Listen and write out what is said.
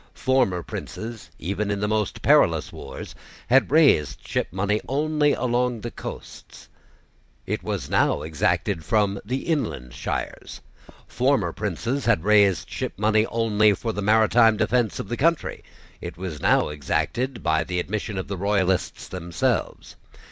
Former princes, even in the most perilous wars, had raised shipmoney only along the coasts: it was now exacted from the inland shires. Former princes had raised shipmoney only for the maritime defence of the country: It was now exacted, by the admission of the Royalists themselves.